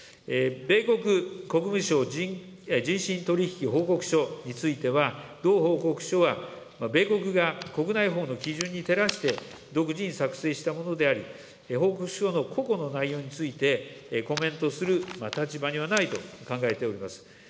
米国国務省人身取り引き報告書については、同報告書は、米国が国内法の基準に照らして独自に作成したものであり、報告書の個々の内容について、コメントする立場にはないと考えております。